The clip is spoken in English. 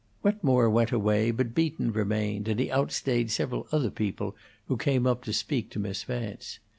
Wetmore went away, but Beaton remained, and he outstayed several other people who came up to speak to Miss Vance.